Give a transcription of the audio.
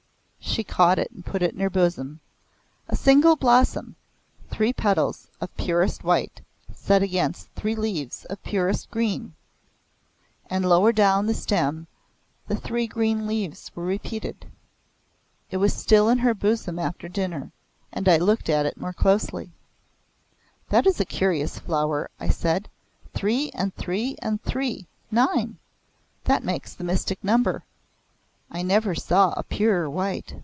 She caught it and put it in her bosom. A singular blossom, three petals of purest white, set against three leaves of purest green, and lower down the stem the three green leaves were repeated. It was still in her bosom after dinner, and I looked at it more closely. "That is a curious flower," I said. "Three and three and three. Nine. That makes the mystic number. I never saw a purer white.